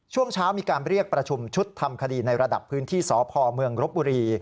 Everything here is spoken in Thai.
ช่วงเช้ามีการเรียกประชุมชุดทำคดีในระดับพื้นที่สพเมืองรบบุรี